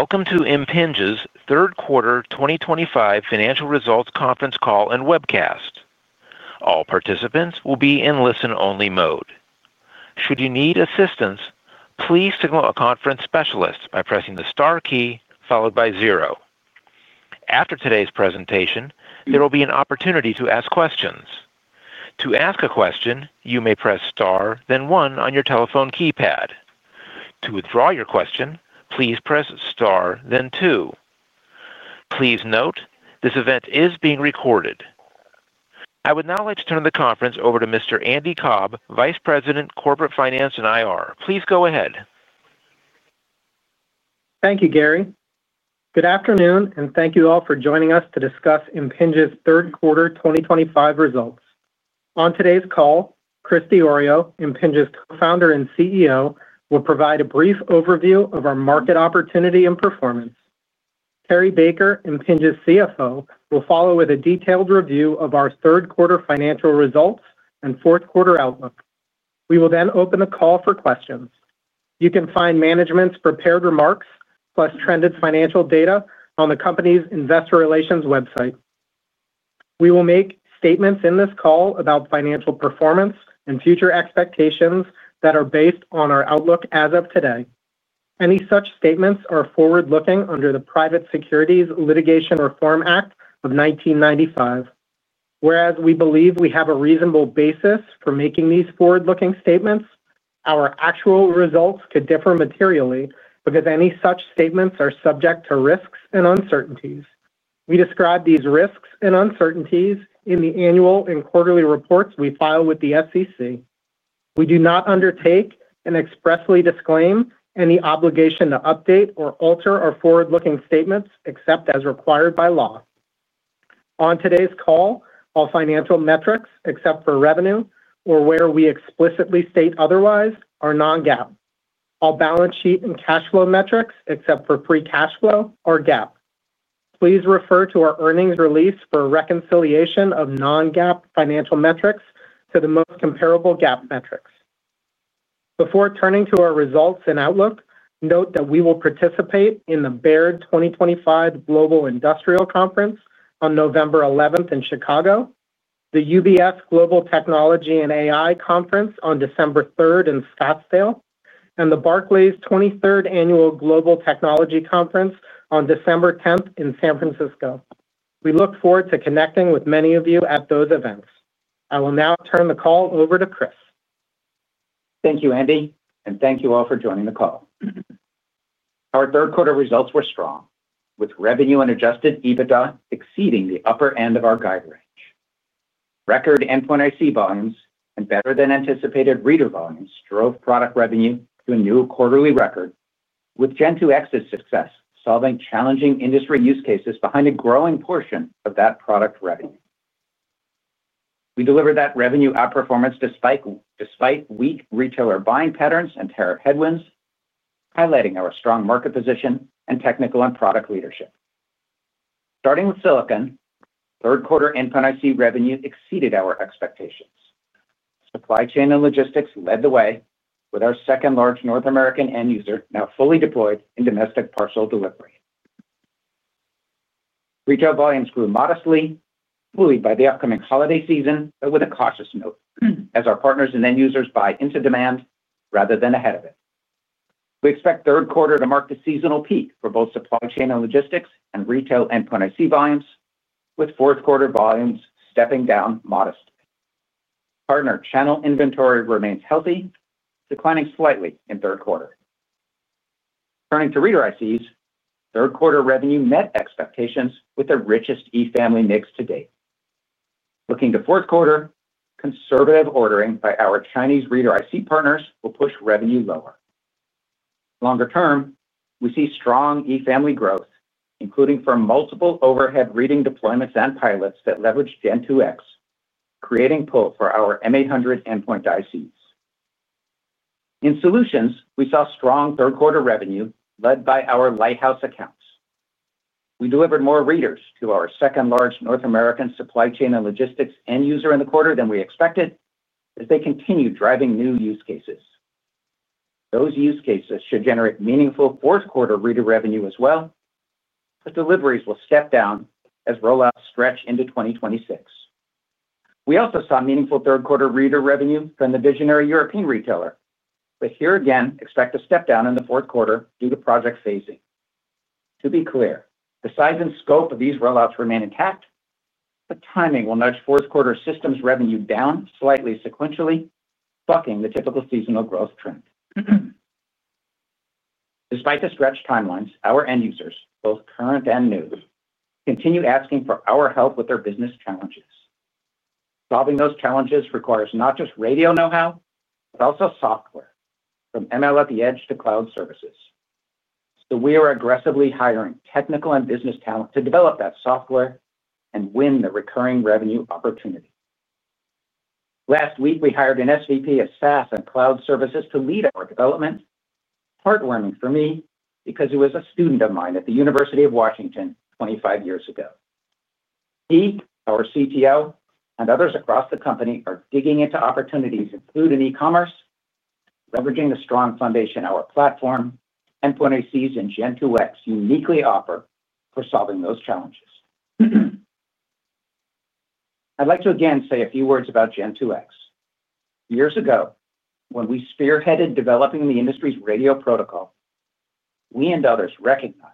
Welcome to Impinj's third quarter 2025 financial results conference call and webcast. All participants will be in listen-only mode. Should you need assistance, please signal a conference specialist by pressing the star key followed by zero. After today's presentation, there will be an opportunity to ask questions. To ask a question, you may press star, then one on your telephone keypad. To withdraw your question, please press star, then two. Please note, this event is being recorded. I would now like to turn the conference over to Mr. Andy Cobb, Vice President of Corporate Finance and IR. Please go ahead. Thank you, Gary. Good afternoon, and thank you all for joining us to discuss Impinj's third quarter 2025 results. On today's call, Chris Diorio, Impinj's Co-Founder and CEO, will provide a brief overview of our market opportunity and performance. Cary Baker, Impinj's CFO, will follow with a detailed review of our third quarter financial results and fourth quarter outlook. We will then open the call for questions. You can find management's prepared remarks, plus trended financial data on the company's Investor Relations website. We will make statements in this call about financial performance and future expectations that are based on our outlook as of today. Any such statements are forward-looking under the Private Securities Litigation Reform Act of 1995. Whereas we believe we have a reasonable basis for making these forward-looking statements, our actual results could differ materially because any such statements are subject to risks and uncertainties. We describe these risks and uncertainties in the annual and quarterly reports we file with the SEC. We do not undertake and expressly disclaim any obligation to update or alter our forward-looking statements except as required by law. On today's call, all financial metrics except for revenue or where we explicitly state otherwise are non-GAAP. All balance sheet and cash flow metrics except for free cash flow are GAAP. Please refer to our earnings release for a reconciliation of non-GAAP financial metrics to the most comparable GAAP metrics. Before turning to our results and outlook, note that we will participate in the Baird 2025 Global Industrial Conference on November 11th in Chicago, the UBS Global Technology and AI Conference on December 3rd in Scottsdale, and the Barclays 23rd Annual Global Technology Conference on December 10 in San Francisco. We look forward to connecting with many of you at those events. I will now turn the call over to Chris. Thank you, Andy, and thank you all for joining the call. Our third quarter results were strong, with revenue and adjusted EBITDA exceeding the upper end of our guide range. Record endpoint IC volumes and better-than-anticipated reader volumes drove product revenue to a new quarterly record, with Gen2X's success solving challenging industry use cases behind a growing portion of that product revenue. We delivered that revenue outperformance despite weak retailer buying patterns and tariff headwinds, highlighting our strong market position and technical and product leadership. Starting with silicon, third quarter endpoint IC revenue exceeded our expectations. Supply chain and logistics led the way with our second-largest North American end user now fully deployed in domestic partial delivery. Retail volumes grew modestly, fully by the upcoming holiday season, but with a cautious note as our partners and end users buy into demand rather than ahead of it. We expect third quarter to mark the seasonal peak for both supply chain and logistics and retail endpoint IC volumes, with fourth quarter volumes stepping down modestly. Partner channel inventory remains healthy, declining slightly in third quarter. Turning to reader ICs, third quarter revenue met expectations with the richest E-Series mix to date. Looking to fourth quarter, conservative ordering by our Chinese reader IC partners will push revenue lower. Longer term, we see strong E-Series growth, including for multiple overhead reading deployments and pilots that leverage Gen2X, creating pull for our M800 endpoint ICs. In solutions, we saw strong third quarter revenue led by our Lighthouse accounts. We delivered more readers to our second-largest North American supply chain and logistics end user in the quarter than we expected, as they continue driving new use cases. Those use cases should generate meaningful fourth quarter reader revenue as well, but deliveries will step down as rollouts stretch into 2026. We also saw meaningful third quarter reader revenue from the visionary European retailer, but here again expect a step down in the fourth quarter due to project phasing. To be clear, the size and scope of these rollouts remain intact, but timing will nudge fourth quarter systems revenue down slightly sequentially, bucking the typical seasonal growth trend. Despite the stretched timelines, our end users, both current and new, continue asking for our help with their business challenges. Solving those challenges requires not just radio know-how, but also software, from ML at the edge to cloud services. We are aggressively hiring technical and business talent to develop that software and win the recurring revenue opportunity. Last week, we hired an SVP of SaaS and cloud services to lead our development, heartwarming for me because he was a student of mine at the University of Washington 25 years ago. He, our CTO, and others across the company are digging into opportunities including e-commerce, leveraging the strong foundation our platform, endpoint ICs, and Gen2X uniquely offer for solving those challenges. I'd like to again say a few words about Gen2X. Years ago, when we spearheaded developing the industry's radio protocol, we and others recognized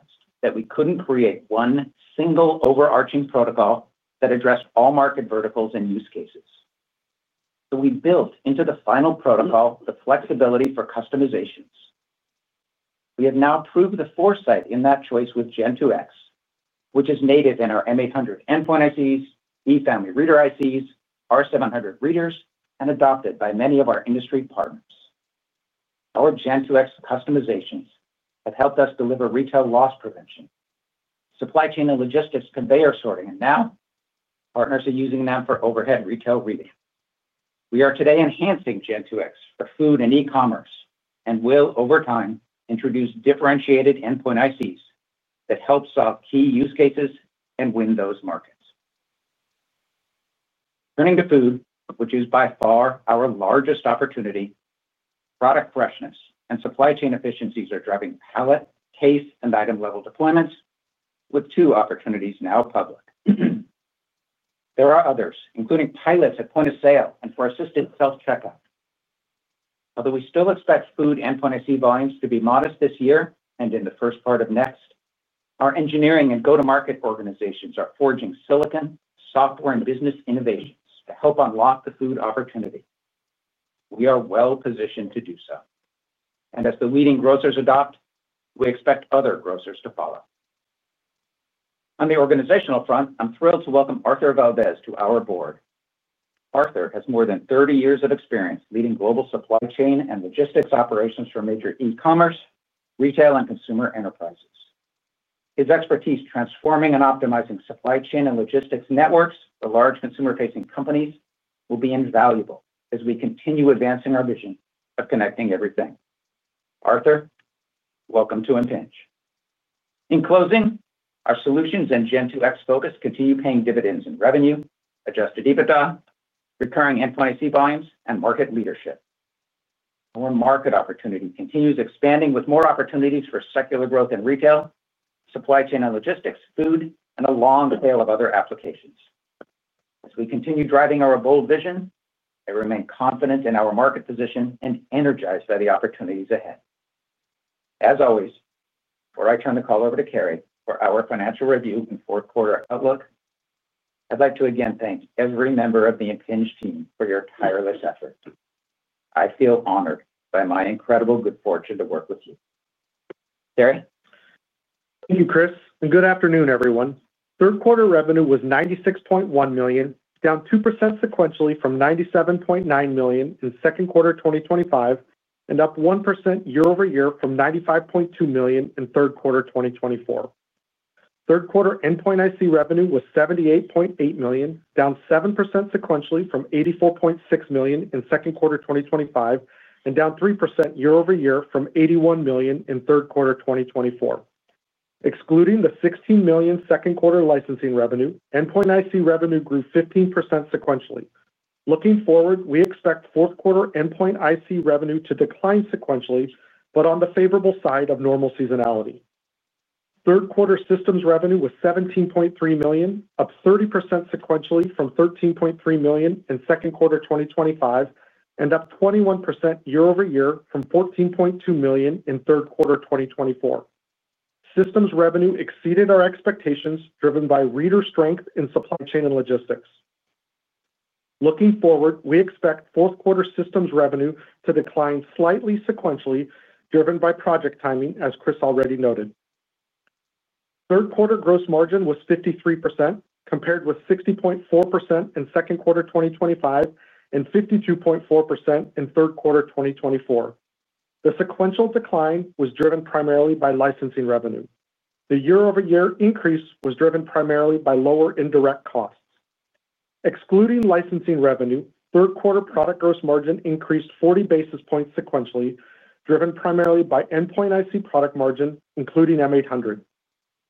that we couldn't create one single overarching protocol that addressed all market verticals and use cases. We built into the final protocol the flexibility for customizations. We have now proved the foresight in that choice with Gen2X, which is native in our M800 endpoint ICs, E-Series reader ICs, R700 readers, and adopted by many of our industry partners. Our Gen2X customizations have helped us deliver retail loss prevention, supply chain and logistics conveyor sorting, and now partners are using them for overhead retail reading. We are today enhancing Gen2X for food and e-commerce and will, over time, introduce differentiated endpoint ICs that help solve key use cases and win those markets. Turning to food, which is by far our largest opportunity, product freshness and supply chain efficiencies are driving pallet, case, and item level deployments, with two opportunities now public. There are others, including pilots at point of sale and for assisted self-checkout. Although we still expect food endpoint IC volumes to be modest this year and in the first part of next, our engineering and go-to-market organizations are forging silicon, software, and business innovations to help unlock the food opportunity. We are well positioned to do so. As the leading grocers adopt, we expect other grocers to follow. On the organizational front, I'm thrilled to welcome Arthur Valdez to our board. Arthur has more than 30 years of experience leading global supply chain and logistics operations for major e-commerce, retail, and consumer enterprises. His expertise transforming and optimizing supply chain and logistics networks for large consumer-facing companies will be invaluable as we continue advancing our vision of connecting everything. Arthur, welcome to Impinj. In closing, our solutions and Gen2X focus continue paying dividends in revenue, adjusted EBITDA, recurring endpoint IC volumes, and market leadership. Our market opportunity continues expanding with more opportunities for secular growth in retail, supply chain and logistics, food, and a long tail of other applications. As we continue driving our bold vision, I remain confident in our market position and energized by the opportunities ahead. As always, before I turn the call over to Cary for our financial review and fourth quarter outlook, I'd like to again thank every member of the Impinj team for your tireless effort. I feel honored by my incredible good fortune to work with you. Cary. Thank you, Chris, and good afternoon, everyone. Third quarter revenue was $96.1 million, down 2% sequentially from $97.9 million in second quarter 2025, and up 1% year-over-year from $95.2 million in third quarter 2024. Third quarter endpoint IC revenue was $78.8 million, down 7% sequentially from $84.6 million in second quarter 2025, and down 3% year-over-year from $81 million in third quarter 2024. Excluding the $16 million second quarter licensing revenue, endpoint IC revenue grew 15% sequentially. Looking forward, we expect fourth quarter endpoint IC revenue to decline sequentially, but on the favorable side of normal seasonality. Third quarter systems revenue was $17.3 million, up 30% sequentially from $13.3 million in second quarter 2025, and up 21% year-over-year from $14.2 million in third quarter 2024. Systems revenue exceeded our expectations, driven by reader strength in supply chain and logistics. Looking forward, we expect fourth quarter systems revenue to decline slightly sequentially, driven by project timing, as Chris already noted. Third quarter gross margin was 53%, compared with 60.4% in second quarter 2025 and 52.4% in third quarter 2024. The sequential decline was driven primarily by licensing revenue. The year-over-year increase was driven primarily by lower indirect costs. Excluding licensing revenue, third quarter product gross margin increased 40 basis points sequentially, driven primarily by endpoint IC product margin, including M800.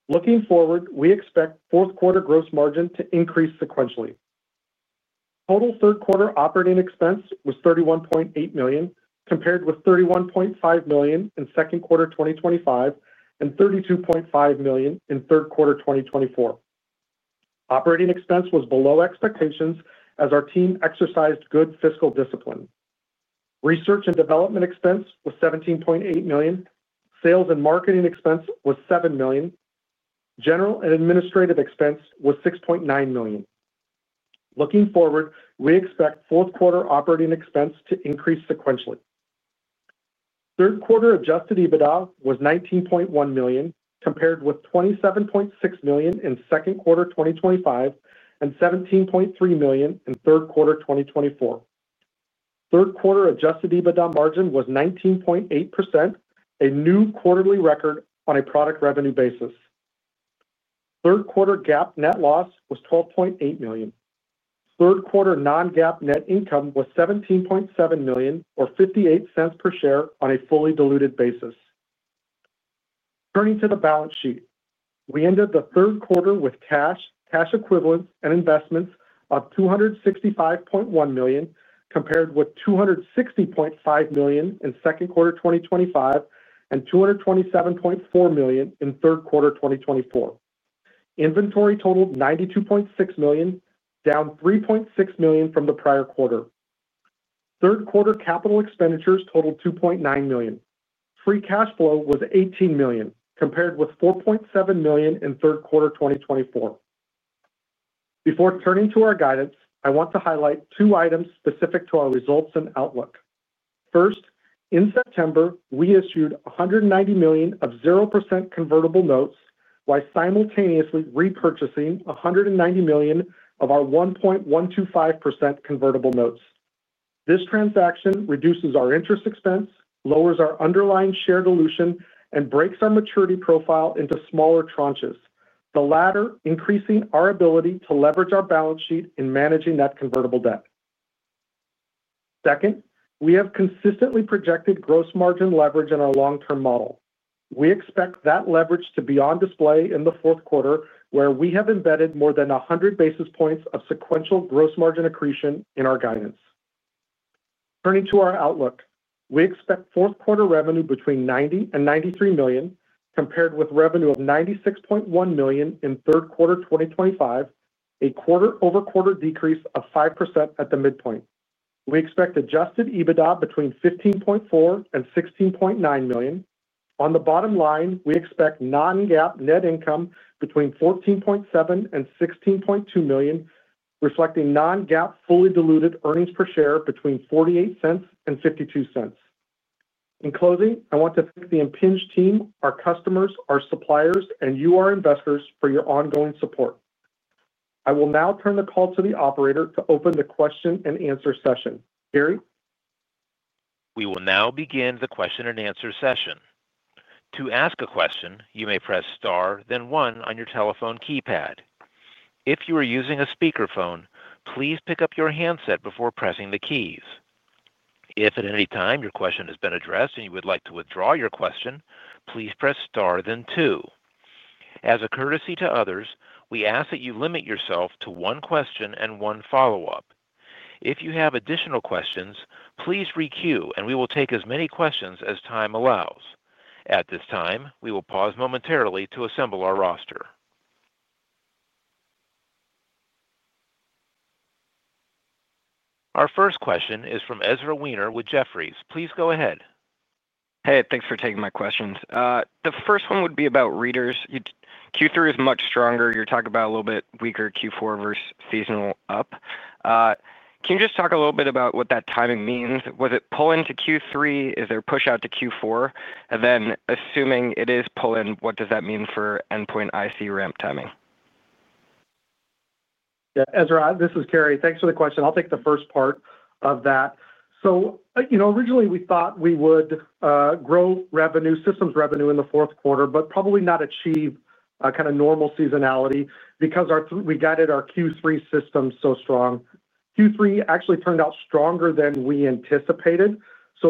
Looking forward, we expect fourth quarter gross margin to increase sequentially. Total third quarter operating expense was $31.8 million, compared with $31.5 million in second quarter 2025 and $32.5 million in third quarter 2024. Operating expense was below expectations as our team exercised good fiscal discipline. Research and development expense was $17.8 million, sales and marketing expense was $7 million, general and administrative expense was $6.9 million. Looking forward, we expect fourth quarter operating expense to increase sequentially. Third quarter adjusted EBITDA was $19.1 million, compared with $27.6 million in second quarter 2025 and $17.3 million in third quarter 2024. Third quarter adjusted EBITDA margin was 19.8%, a new quarterly record on a product revenue basis. Third quarter GAAP net loss was $12.8 million. Third quarter non-GAAP net income was $17.7 million, or $0.58 per share on a fully diluted basis. Turning to the balance sheet, we ended the third quarter with cash, cash equivalents, and investments of $265.1 million, compared with $260.5 million in the second quarter 2025 and $227.4 million in the third quarter 2024. Inventory totaled $92.6 million, down $3.6 million from the prior quarter. Third quarter capital expenditures totaled $2.9 million. Free cash flow was $18 million, compared with $4.7 million in the third quarter 2024. Before turning to our guidance, I want to highlight two items specific to our results and outlook. First, in September, we issued $190 million of 0% convertible notes while simultaneously repurchasing $190 million of our 1.125% convertible notes. This transaction reduces our interest expense, lowers our underlying share dilution, and breaks our maturity profile into smaller tranches, the latter increasing our ability to leverage our balance sheet in managing that convertible debt. Second, we have consistently projected gross margin leverage in our long-term model. We expect that leverage to be on display in the fourth quarter, where we have embedded more than 100 basis points of sequential gross margin accretion in our guidance. Turning to our outlook, we expect fourth quarter revenue between $90 million and $93 million, compared with revenue of $96.1 million in the third quarter 2025, a quarter-over-quarter decrease of 5% at the midpoint. We expect adjusted EBITDA between $15.4 million and $16.9 million. On the bottom line, we expect non-GAAP net income between $14.7 million and $16.2 million, reflecting non-GAAP fully diluted earnings per share between $0.48 and $0.52. In closing, I want to thank the Impinj team, our customers, our suppliers, and you, our investors, for your ongoing support. I will now turn the call to the operator to open the question-and-answer session. Gary. We will now begin the question-and-answer session. To ask a question, you may press star, then one on your telephone keypad. If you are using a speakerphone, please pick up your handset before pressing the keys. If at any time your question has been addressed and you would like to withdraw your question, please press star, then two. As a courtesy to others, we ask that you limit yourself to one question and one follow-up. If you have additional questions, please re-queue and we will take as many questions as time allows. At this time, we will pause momentarily to assemble our roster. Our first question is from Ezra Weener with Jefferies. Please go ahead. Hey, thanks for taking my questions. The first one would be about readers. Q3 is much stronger. You're talking about a little bit weaker Q4 versus seasonal up. Can you just talk a little bit about what that timing means? Was it pull into Q3? Is there push out to Q4? Assuming it is pull in, what does that mean for endpoint IC ramp timing? Yeah, Ezra, this is Cary. Thanks for the question. I'll take the first part of that. Originally, we thought we would grow revenue, systems revenue in the fourth quarter, but probably not achieve kind of normal seasonality because we guided our Q3 systems so strong. Q3 actually turned out stronger than we anticipated.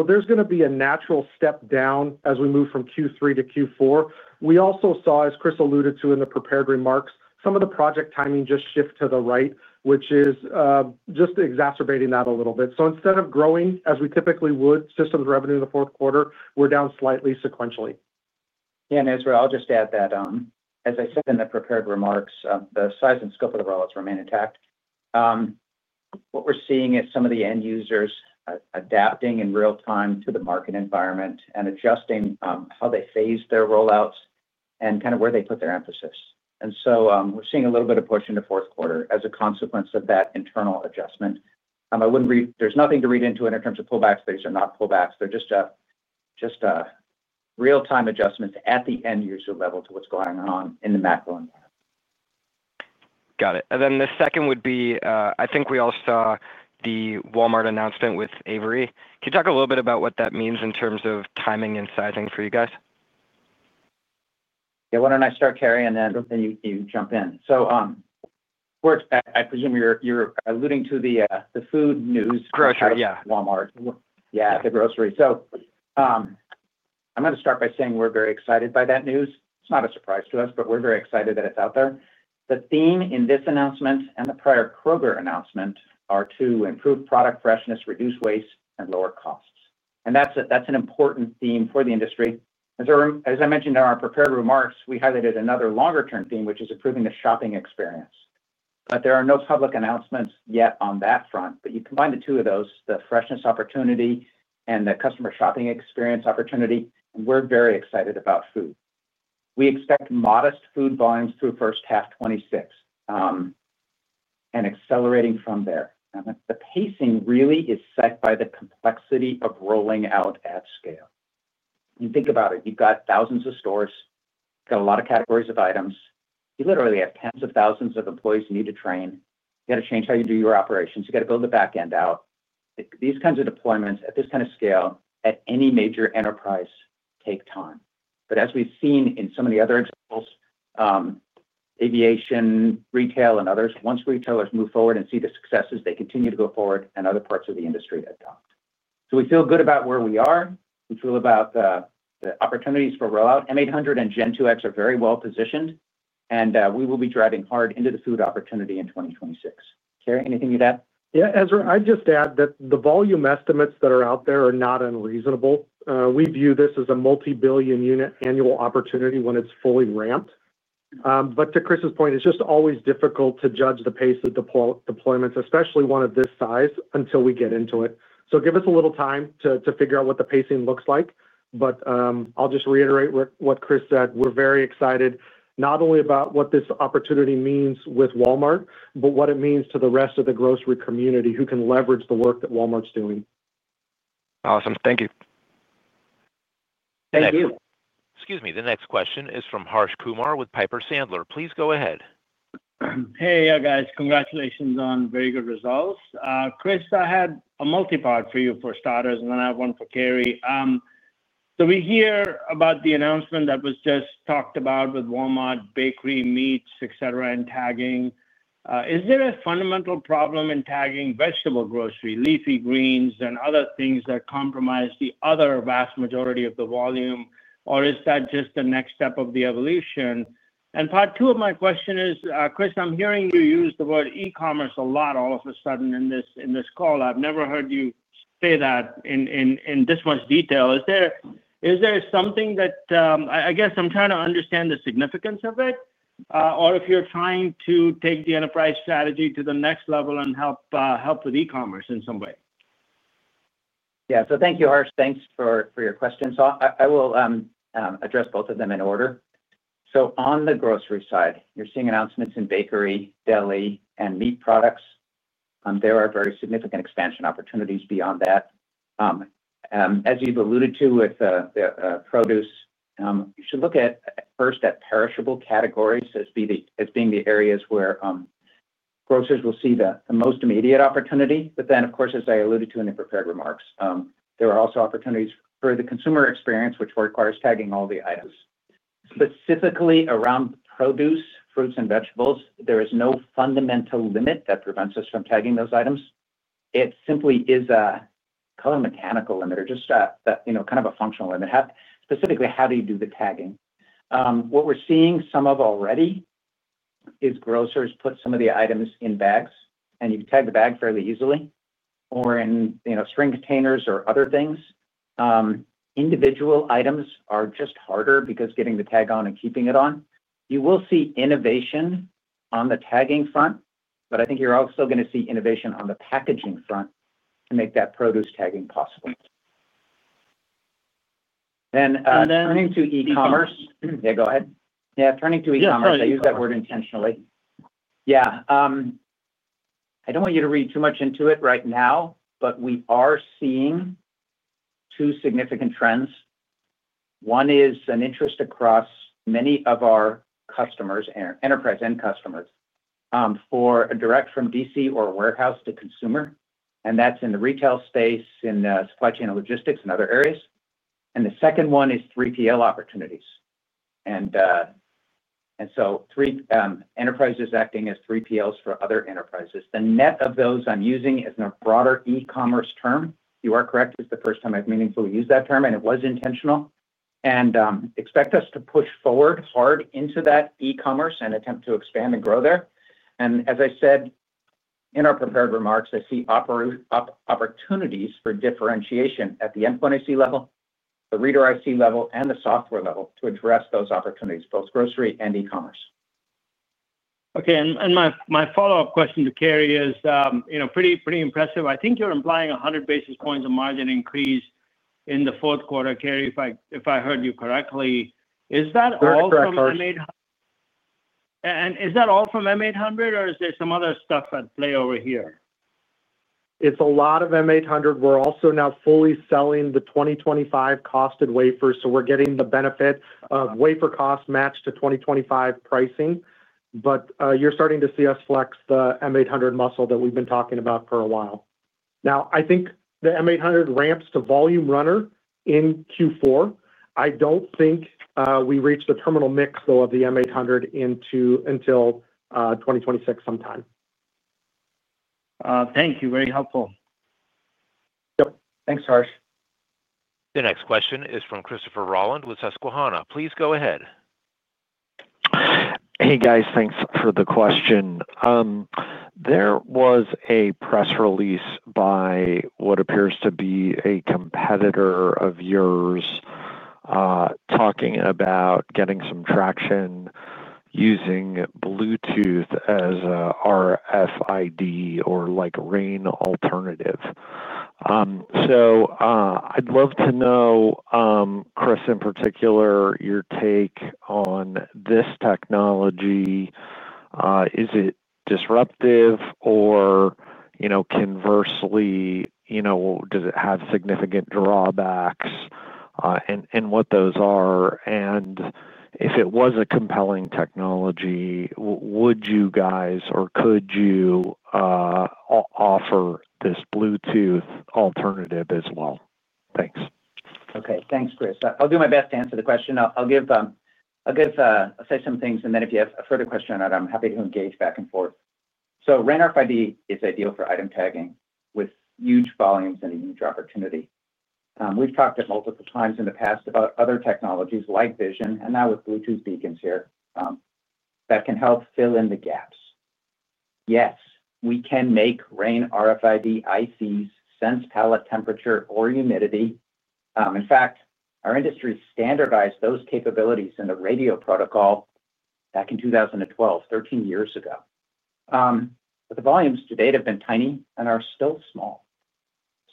There's going to be a natural step down as we move from Q3 to Q4. We also saw, as Chris alluded to in the prepared remarks, some of the project timing just shift to the right, which is just exacerbating that a little bit. Instead of growing as we typically would, systems revenue in the fourth quarter, we're down slightly sequentially. Yeah, and Ezra, I'll just add that, as I said in the prepared remarks, the size and scope of the rollouts remain intact. What we're seeing is some of the end users adapting in real time to the market environment and adjusting how they phased their rollouts and kind of where they put their emphasis. We're seeing a little bit of push into fourth quarter as a consequence of that internal adjustment. I wouldn't read, there's nothing to read into it in terms of pullbacks. These are not pullbacks. They're just real-time adjustments at the end user level to what's going on in the macro environment. Got it. The second would be, I think we all saw the Walmart announcement with Avery. Can you talk a little bit about what that means in terms of timing and sizing for you guys? Yeah, why don't I start, Cary, and then you can jump in. I presume you're alluding to the food news. Grocery, yeah. Walmart. Yeah, the grocery. I'm going to start by saying we're very excited by that news. It's not a surprise to us, but we're very excited that it's out there. The theme in this announcement and the prior Kroger announcement are to improve product freshness, reduce waste, and lower costs. That's an important theme for the industry. As I mentioned in our prepared remarks, we highlighted another longer-term theme, which is improving the shopping experience. There are no public announcements yet on that front. You combine the two of those, the freshness opportunity and the customer shopping experience opportunity, and we're very excited about food. We expect modest food volumes through the first half of 2026, and accelerating from there. The pacing really is set by the complexity of rolling out at scale. Think about it. You've got thousands of stores. You've got a lot of categories of items. You literally have tens of thousands of employees you need to train. You've got to change how you do your operations. You've got to build the backend out. These kinds of deployments at this kind of scale at any major enterprise take time. As we've seen in some of the other examples, aviation, retail, and others, once retailers move forward and see the successes, they continue to go forward and other parts of the industry adopt. We feel good about where we are. We feel about the opportunities for rollout. M800 and Gen2X are very well positioned, and we will be driving hard into the food opportunity in 2026. Cary, anything you'd add? Yeah, Ezra, I'd just add that the volume estimates that are out there are not unreasonable. We view this as a multi-billion unit annual opportunity when it's fully ramped. To Chris's point, it's just always difficult to judge the pace of deployments, especially one of this size, until we get into it. Give us a little time to figure out what the pacing looks like. I'll just reiterate what Chris said. We're very excited not only about what this opportunity means with Walmart, but what it means to the rest of the grocery community who can leverage the work that Walmart's doing. Awesome. Thank you. Thank you. The next question is from Harsh Kumar with Piper Sandler. Please go ahead. Hey, yeah, guys. Congratulations on very good results. Chris, I had a multi-part for you for starters, and then I have one for Cary. We hear about the announcement that was just talked about with Walmart, bakery, meats, etc., and tagging. Is there a fundamental problem in tagging vegetable grocery, leafy greens, and other things that compromise the other vast majority of the volume, or is that just the next step of the evolution? Part two of my question is, Chris, I'm hearing you use the word e-commerce a lot all of a sudden in this call. I've never heard you say that in this much detail. Is there something that, I guess, I'm trying to understand the significance of it, or if you're trying to take the enterprise strategy to the next level and help with e-commerce in some way? Thank you, Harsh. Thanks for your question. I will address both of them in order. On the grocery side, you're seeing announcements in bakery, deli, and meat products. There are very significant expansion opportunities beyond that. As you've alluded to with the produce, you should look first at perishable categories as being the areas where grocers will see the most immediate opportunity. As I alluded to in the prepared remarks, there are also opportunities for the consumer experience, which requires tagging all the items. Specifically around the produce, fruits, and vegetables, there is no fundamental limit that prevents us from tagging those items. It simply is a color mechanical limit or just a kind of a functional limit. Specifically, how do you do the tagging? What we're seeing some of already is grocers put some of the items in bags, and you can tag the bag fairly easily, or in string containers or other things. Individual items are just harder because getting the tag on and keeping it on. You will see innovation on the tagging front, but I think you're also going to see innovation on the packaging front to make that produce tagging possible. Turning to e-commerce, I use that word intentionally. I don't want you to read too much into it right now, but we are seeing two significant trends. One is an interest across many of our customers, enterprise end customers, for a direct from D.C. or a warehouse to consumer, and that's in the retail space, in supply chain and logistics, and other areas. The second one is 3PL opportunities, so enterprises acting as 3PLs for other enterprises. The net of those I'm using is in a broader e-commerce term. You are correct, it's the first time I've meaningfully used that term, and it was intentional. Expect us to push forward hard into that e-commerce and attempt to expand and grow there. As I said in our prepared remarks, I see opportunities for differentiation at the endpoint IC level, the reader IC level, and the software level to address those opportunities, both grocery and e-commerce. Okay, and my follow-up question to Cary is, you know, pretty impressive. I think you're implying 100 basis points of margin increase in the fourth quarter, Cary, if I heard you correctly. Is that all from M800? Is that all from M800, or is there some other stuff at play over here? It's a lot of M800. We're also now fully selling the 2025 costed wafer, so we're getting the benefit of wafer costs matched to 2025 pricing. You're starting to see us flex the M800 muscle that we've been talking about for a while. I think the M800 ramps to volume runner in Q4. I don't think we reach the terminal mix, though, of the M800 until 2026 sometime. Thank you. Very helpful. Thanks, Harsh. The next question is from Christopher Rolland with Susquehanna. Please go ahead. Hey guys, thanks for the question. There was a press release by what appears to be a competitor of yours talking about getting some traction using Bluetooth as a RFID or like RAIN alternative. I'd love to know, Chris, in particular, your take on this technology. Is it disruptive or, you know, conversely, does it have significant drawbacks and what those are? If it was a compelling technology, would you guys or could you offer this Bluetooth alternative as well? Thanks. Okay, thanks, Chris. I'll do my best to answer the question. I'll give, I'll say some things, and then if you have a further question, I'm happy to engage back and forth. RAIN RFID is ideal for item tagging with huge volumes and a huge opportunity. We've talked at multiple times in the past about other technologies like Vision, and now with Bluetooth beacons here, that can help fill in the gaps. Yes, we can make RAIN RFID ICs sense pallet temperature or humidity. In fact, our industry standardized those capabilities in the radio protocol back in 2012, 13 years ago, but the volumes to date have been tiny and are still small.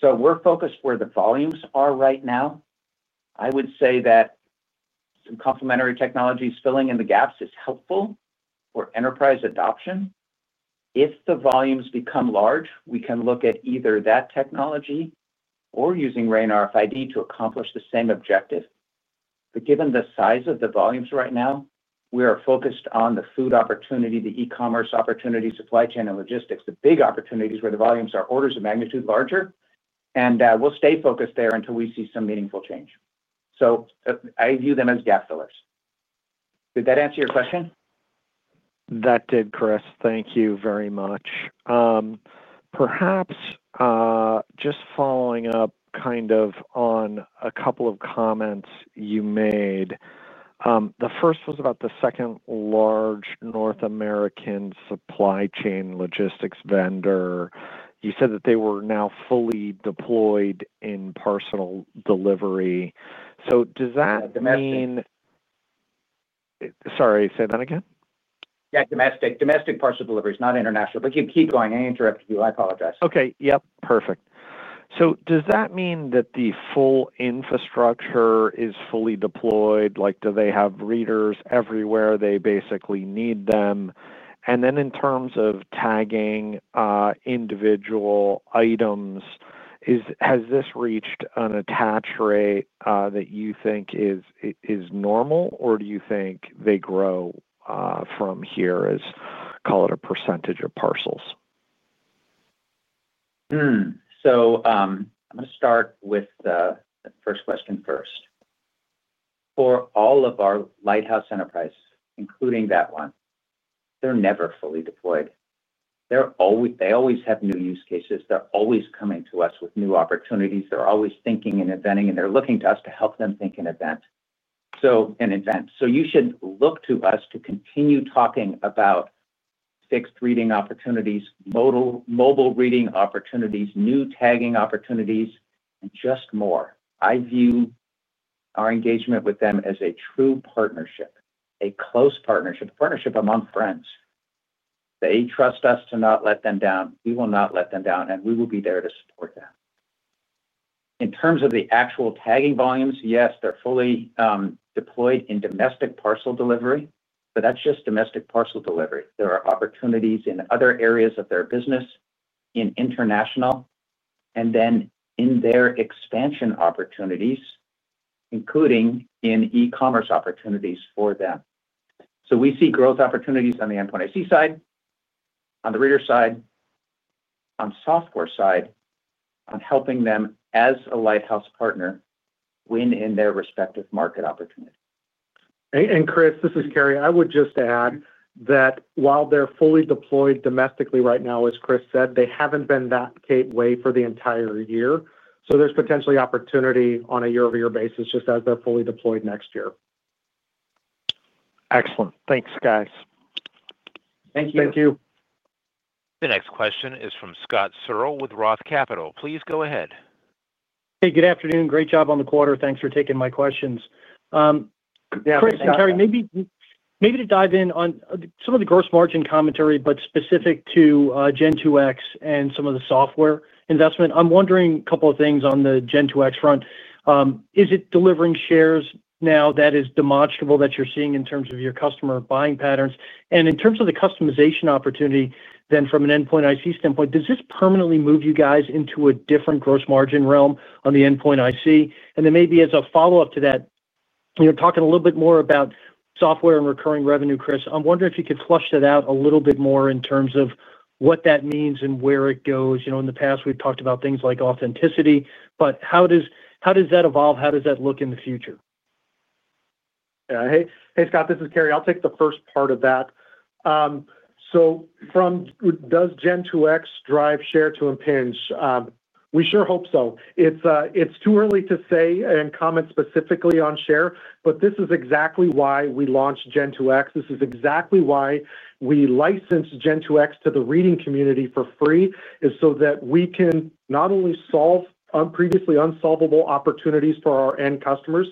We're focused where the volumes are right now. I would say that some complementary technologies filling in the gaps is helpful for enterprise adoption. If the volumes become large, we can look at either that technology or using RAIN RFID to accomplish the same objective. Given the size of the volumes right now, we are focused on the food opportunity, the e-commerce opportunity, supply chain and logistics, the big opportunities where the volumes are orders of magnitude larger. We'll stay focused there until we see some meaningful change. I view them as gap fillers. Did that answer your question? That did, Chris. Thank you very much. Perhaps just following up on a couple of comments you made. The first was about the second-largest North American supply chain logistics vendor. You said that they were now fully deployed in parcel delivery. Does that mean? Domestic.Sorry, say that again? Yeah, domestic parcel deliveries, not international. Keep going. I interrupted you. I apologize. Okay. Perfect. Does that mean that the full infrastructure is fully deployed? Do they have readers everywhere they basically need them? In terms of tagging individual items, has this reached an attach rate that you think is normal, or do you think they grow from here as, call it, a percentage of parcels? I'm going to start with the first question first. For all of our Lighthouse enterprises, including that one, they're never fully deployed. They always have new use cases. They're always coming to us with new opportunities. They're always thinking and inventing, and they're looking to us to help them think and invent. You should look to us to continue talking about fixed reading opportunities, mobile reading opportunities, new tagging opportunities, and just more. I view our engagement with them as a true partnership, a close partnership, a partnership among friends. They trust us to not let them down. We will not let them down, and we will be there to support them. In terms of the actual tagging volumes, yes, they're fully deployed in domestic parcel delivery, but that's just domestic parcel delivery. There are opportunities in other areas of their business, in international, and then in their expansion opportunities, including in e-commerce opportunities for them. We see growth opportunities on the endpoint IC side, on the reader side, on the software side, on helping them as a Lighthouse partner win in their respective market opportunity. Chris, this is Cary. I would just add that while they're fully deployed domestically right now, as Chris said, they haven't been that gateway for the entire year. There's potentially opportunity on a year-over-year basis just as they're fully deployed next year. Excellent. Thanks, guys. Thank you. Thank you. The next question is from Scott Searle with ROTH Capital. Please go ahead. Hey, good afternoon. Great job on the quarter. Thanks for taking my questions. Chris and Cary, maybe to dive in on some of the gross margin commentary, but specific to Gen2X and some of the software investment, I'm wondering a couple of things on the Gen2X front. Is it delivering shares now that is demonstrable that you're seeing in terms of your customer buying patterns? In terms of the customization opportunity, from an endpoint IC standpoint, does this permanently move you guys into a different gross margin realm on the endpoint IC? Maybe as a follow-up to that, talking a little bit more about software and recurring revenue, Chris, I'm wondering if you could flush that out a little bit more in terms of what that means and where it goes. In the past, we've talked about things like authenticity, but how does that evolve? How does that look in the future? Yeah, hey, Scott, this is Cary. I'll take the first part of that. From does Gen2X drive share to Impinj? We sure hope so. It's too early to say and comment specifically on share, but this is exactly why we launched Gen2X. This is exactly why we licensed Gen2X to the reading community for free, is so that we can not only solve previously unsolvable opportunities for our end customers,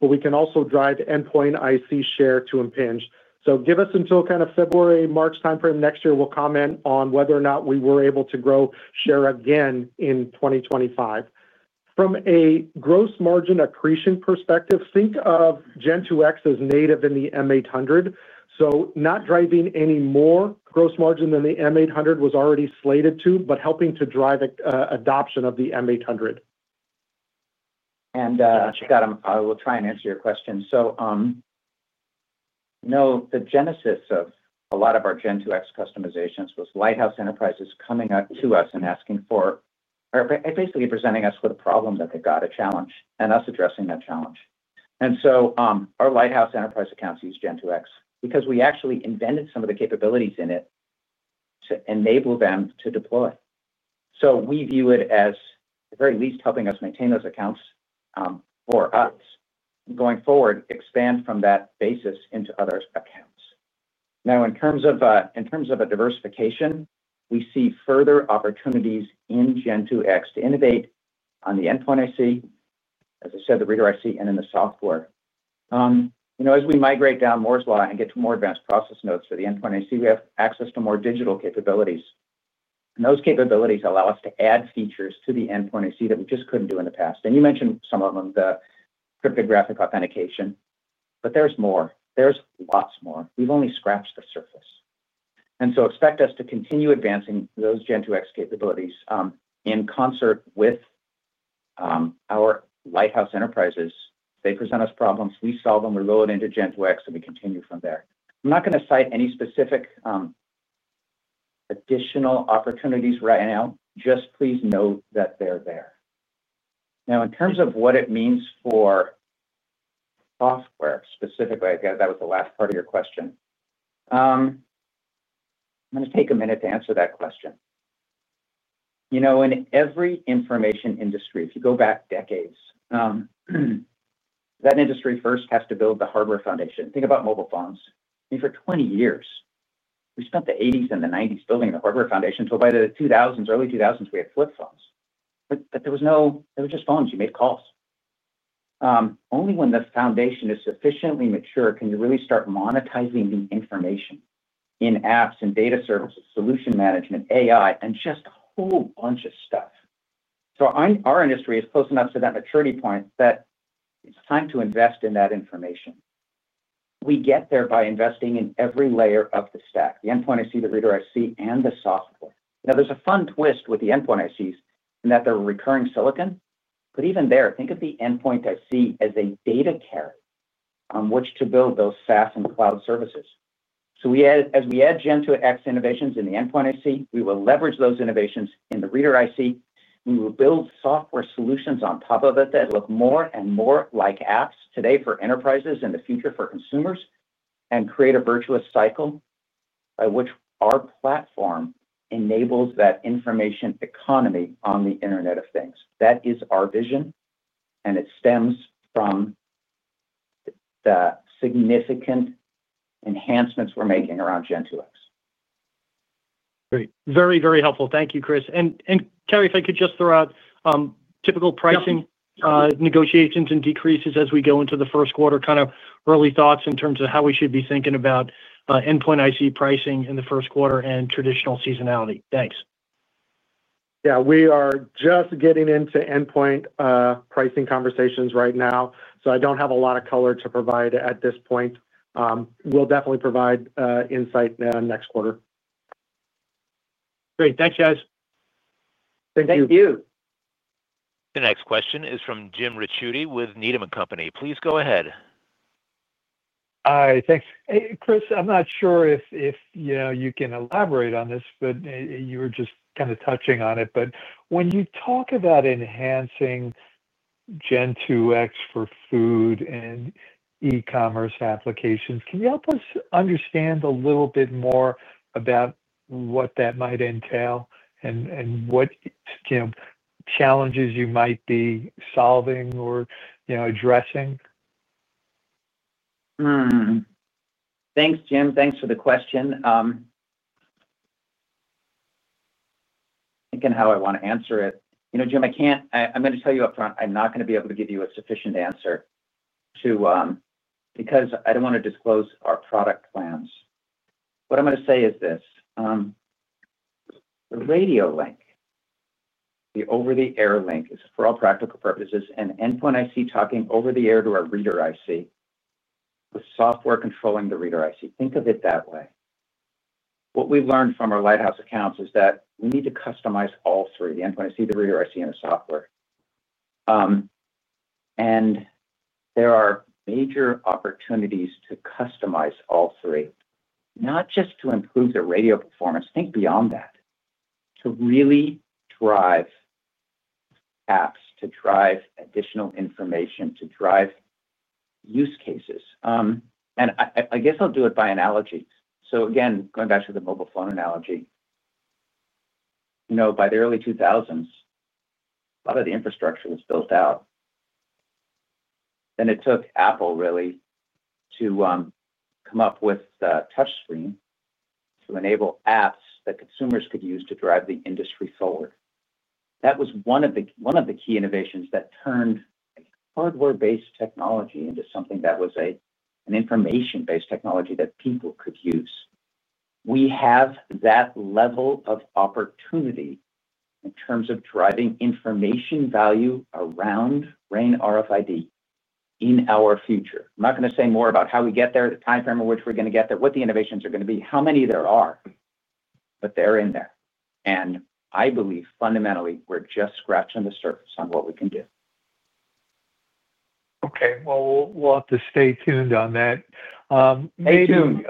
but we can also drive endpoint IC share to Impinj. Give us until kind of February, March timeframe next year, we'll comment on whether or not we were able to grow share again in 2025. From a gross margin accretion perspective, think of Gen2X as native in the M800. Not driving any more gross margin than the M800 was already slated to, but helping to drive adoption of the M800. Scott, I will try and answer your question. No, the genesis of a lot of our Gen2X customizations was Lighthouse Enterprises coming up to us and asking for, or basically presenting us with a problem that they've got, a challenge, and us addressing that challenge. Our Lighthouse Enterprise accounts use Gen2X because we actually invented some of the capabilities in it to enable them to deploy. We view it as, at the very least, helping us maintain those accounts for us and going forward, expand from that basis into other accounts. In terms of a diversification, we see further opportunities in Gen2X to innovate on the endpoint IC, as I said, the reader IC, and in the software. As we migrate down Moore's Law and get to more advanced process nodes for the endpoint IC, we have access to more digital capabilities. Those capabilities allow us to add features to the endpoint IC that we just couldn't do in the past. You mentioned some of them, the cryptographic authentication, but there's more. There's lots more. We've only scratched the surface. Expect us to continue advancing those Gen2X capabilities in concert with our Lighthouse Enterprises. They present us problems, we solve them, we roll it into Gen2X, and we continue from there. I'm not going to cite any specific additional opportunities right now. Please note that they're there. In terms of what it means for software specifically, I guess that was the last part of your question. I'm going to take a minute to answer that question. In every information industry, if you go back decades, that industry first has to build the hardware foundation. Think about mobile phones. For 20 years, we spent the 1980s and the 1990s building the hardware foundation until by the early 2000s, we had flip phones. There were just phones. You made calls. Only when the foundation is sufficiently mature can you really start monetizing the information in apps and data services, solution management, AI, and just a whole bunch of stuff. Our industry is close enough to that maturity point that it's time to invest in that information. We get there by investing in every layer of the stack: the endpoint IC, the reader IC, and the software. There's a fun twist with the endpoint ICs in that they're recurring silicon, but even there, think of the endpoint IC as a data carrier on which to build those SaaS and cloud services. As we add Gen2X innovations in the endpoint IC, we will leverage those innovations in the reader IC. We will build software solutions on top of it that look more and more like apps today for enterprises, in the future for consumers, and create a virtuous cycle by which our platform enables that information economy on the Internet of Things. That is our vision, and it stems from the significant enhancements we're making around Gen2X. Great. Very, very helpful. Thank you, Chris. Cary, if I could just throw out typical pricing negotiations and decreases as we go into the first quarter, kind of early thoughts in terms of how we should be thinking about endpoint IC pricing in the first quarter and traditional seasonality. Thanks. Yeah, we are just getting into endpoint pricing conversations right now, so I don't have a lot of color to provide at this point. We'll definitely provide insight next quarter. Great. Thanks, guys. Thank you. Thank you. The next question is from James Ricchiuti with Needham & Company. Please go ahead. Hi, thanks. Hey, Chris, I'm not sure if you can elaborate on this, but you were just kind of touching on it. When you talk about enhancing Gen2X for food and e-commerce applications, can you help us understand a little bit more about what that might entail and what challenges you might be solving or addressing? Thanks, Jim. Thanks for the question. Thinking how I want to answer it. You know, Jim, I can't, I'm going to tell you upfront, I'm not going to be able to give you a sufficient answer because I don't want to disclose our product plans. What I'm going to say is this: the radio link, the over-the-air link, is for all practical purposes an endpoint IC talking over-the-air to our reader IC with software controlling the reader IC. Think of it that way. What we've learned from our Lighthouse accounts is that we need to customize all three, the endpoint IC, the reader IC, and the software. There are major opportunities to customize all three, not just to improve the radio performance. Think beyond that, to really drive apps, to drive additional information, to drive use cases. I guess I'll do it by analogy. Again, going back to the mobile phone analogy, you know, by the early 2000s, a lot of the infrastructure was built out. It took Apple really to come up with the touchscreen to enable apps that consumers could use to drive the industry forward. That was one of the key innovations that turned a hardware-based technology into something that was an information-based technology that people could use. We have that level of opportunity in terms of driving information value around RAIN RFID in our future. I'm not going to say more about how we get there, the timeframe in which we're going to get there, what the innovations are going to be, how many there are, but they're in there. I believe fundamentally we're just scratching the surface on what we can do. Okay. We'll have to stay tuned on that. Stay tuned.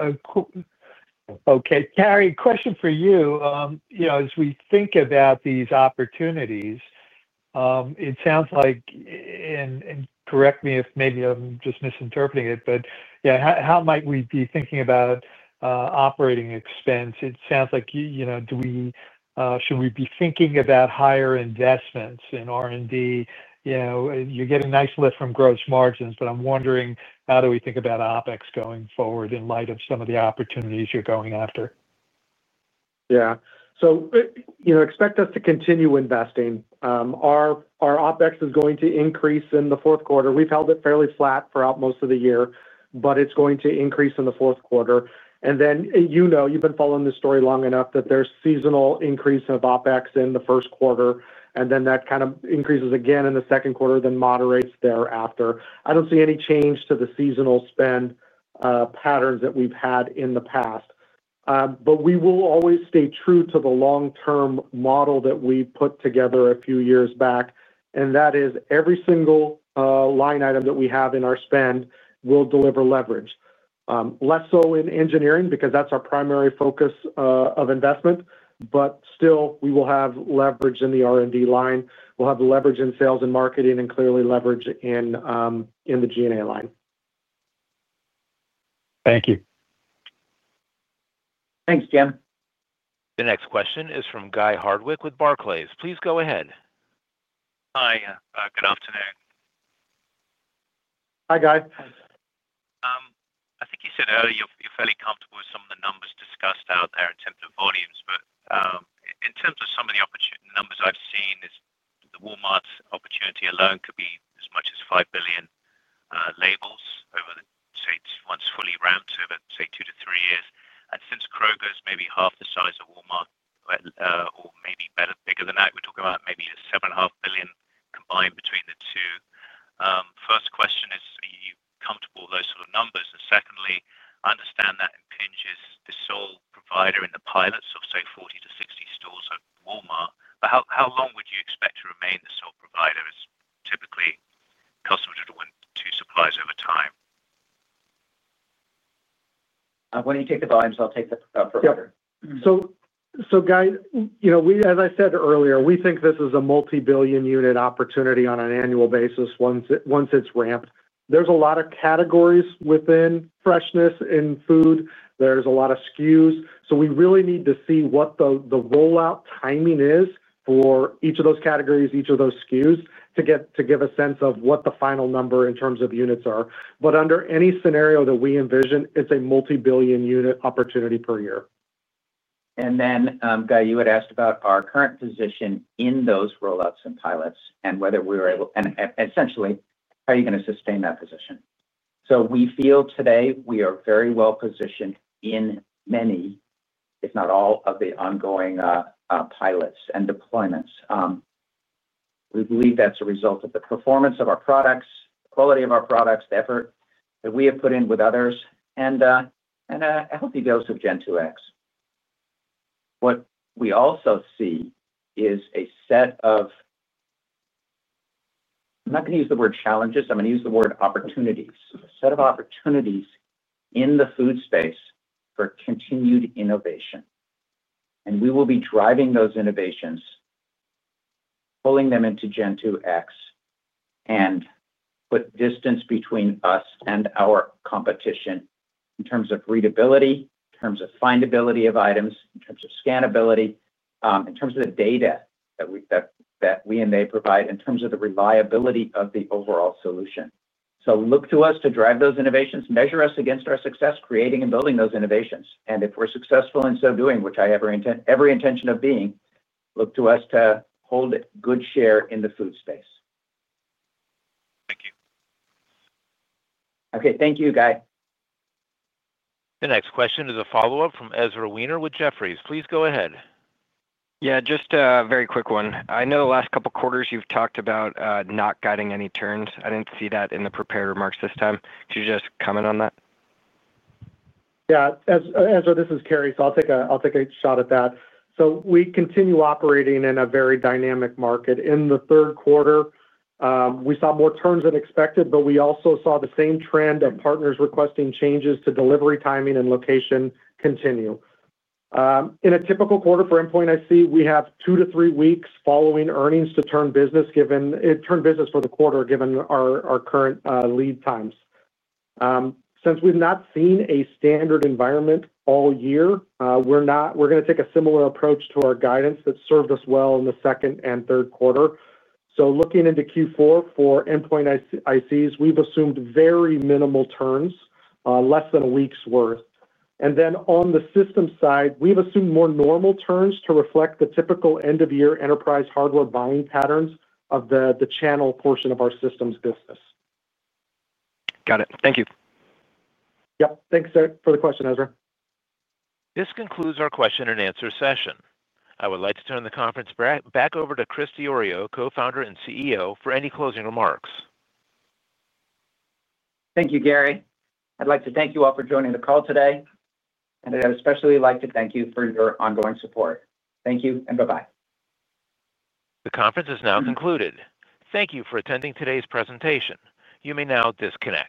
Okay. Cary, question for you. As we think about these opportunities, it sounds like, and correct me if maybe I'm just misinterpreting it, but how might we be thinking about operating expense? It sounds like, should we be thinking about higher investments in R&D? You're getting a nice lift from gross margins, but I'm wondering how do we think about OpEx going forward in light of some of the opportunities you're going after? Yeah. Expect us to continue investing. Our OpEx is going to increase in the fourth quarter. We've held it fairly flat throughout most of the year, but it's going to increase in the fourth quarter. You've been following this story long enough that there's a seasonal increase of OpEx in the first quarter, and that kind of increases again in the second quarter, then moderates thereafter. I don't see any change to the seasonal spend patterns that we've had in the past. We will always stay true to the long-term model that we put together a few years back, and that is every single line item that we have in our spend will deliver leverage. Less so in engineering because that's our primary focus of investment, but still, we will have leverage in the R&D line. We'll have leverage in sales and marketing and clearly leverage in the G&A line. Thank you. Thanks, Jim. The next question is from Guy Hardwick with Barclays. Please go ahead. Hi, good afternoon. Hi, Guy. I think you said earlier you're fairly comfortable with some of the numbers discussed out there in terms of volumes, but in terms of some of the opportunity numbers I've seen, the Walmart opportunity alone could be as much as 5 billion labels over, say, once fully ramped over, say, two to three years. Since Kroger is maybe half the size of Walmart, or maybe better, bigger than that, we're talking about maybe a $7.5 billion combined between the two. First question is, are you comfortable with those sort of numbers? Secondly, I understand that Impinj is the sole provider in the pilots of, say, 40-60 stores of Walmart. How long would you expect to remain the sole provider as typically customers would want to supply over time? When you take the volumes, I'll take the provider. As I said earlier, we think this is a multi-billion unit opportunity on an annual basis once it's ramped. There's a lot of categories within freshness in food. There's a lot of SKUs, so we really need to see what the rollout timing is for each of those categories, each of those SKUs to give a sense of what the final number in terms of units are. Under any scenario that we envision, it's a multi-billion unit opportunity per year. Guy, you had asked about our current position in those rollouts and pilots and whether we were able to, and essentially, how are you going to sustain that position? We feel today we are very well positioned in many, if not all, of the ongoing pilots and deployments. We believe that's a result of the performance of our products, the quality of our products, the effort that we have put in with others, and a healthy dose of Gen2X. What we also see is a set of, I'm not going to use the word challenges. I'm going to use the word opportunities, a set of opportunities in the food space for continued innovation. We will be driving those innovations, pulling them into Gen2X, and put distance between us and our competition in terms of readability, in terms of findability of items, in terms of scannability, in terms of the data that we and they provide, in terms of the reliability of the overall solution. Look to us to drive those innovations, measure us against our success creating and building those innovations. If we're successful in so doing, which I have every intention of being, look to us to hold good share in the food space. Thank you. Okay. Thank you, Guy. The next question is a follow-up from Ezra Weener with Jefferies. Please go ahead. Yeah, just a very quick one. I know the last couple of quarters you've talked about not guiding any turns. I didn't see that in the prepared remarks this time. Could you just comment on that? Yeah, Ezra, this is Cary, so I'll take a shot at that. We continue operating in a very dynamic market. In the third quarter, we saw more turns than expected, but we also saw the same trend of partners requesting changes to delivery timing and location continue. In a typical quarter for endpoint IC, we have two to three weeks following earnings to turn business, given it turned business for the quarter, given our current lead times. Since we've not seen a standard environment all year, we're going to take a similar approach to our guidance that served us well in the second and third quarter. Looking into Q4 for endpoint ICs, we've assumed very minimal turns, less than a week's worth. On the system side, we've assumed more normal turns to reflect the typical end-of-year enterprise hardware buying patterns of the channel portion of our systems business. Got it. Thank you. Yep. Thanks for the question, Ezra. This concludes our question-and-answer session. I would like to turn the conference back over to Chris Diorio, Co-Founder and CEO, for any closing remarks. Thank you, Cary. I'd like to thank you all for joining the call today. I'd especially like to thank you for your ongoing support. Thank you and bye-bye. The conference is now concluded. Thank you for attending today's presentation. You may now disconnect.